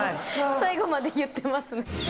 最後まで言ってます。